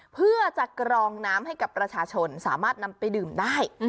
เพื่อจะกรองน้ำให้กับประชาชนสามารถนำไปดื่มได้